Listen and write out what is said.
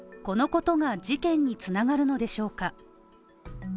このことが事件に繋がるのでしょうか？